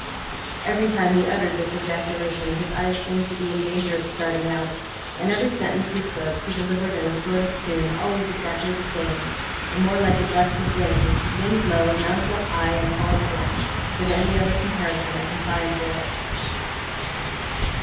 Every time he uttered this ejaculation, his eyes seemed to be in danger of starting out; and every sentence he spoke, he delivered in a sort of tune, always exactly the same, and more like a gust of wind, which begins low, mounts up high, and falls again, than any other comparison I can find for it.